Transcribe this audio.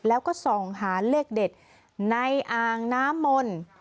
แล้วก็ส่องหาเลขเด็ดในอ่างน้ำมนต์